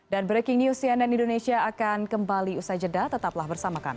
dan breaking news cnn indonesia akan kembali usai jeda tetaplah bersama kami